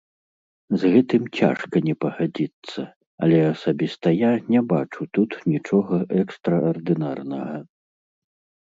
З гэтым цяжка не пагадзіцца, але асабіста я не бачу тут нічога экстраардынарнага.